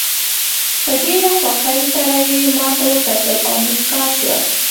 په ډېره خوښۍ سره یې ماته وکتل او موسکاه شوه.